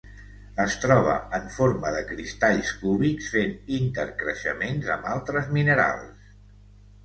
Es troba en forma de cristalls cúbics fent intercreixements amb altres minerals.